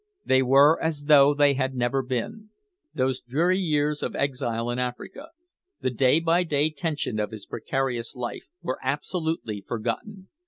They were as though they had never been. Those dreary years of exile in Africa, the day by day tension of his precarious life, were absolutely forgotten.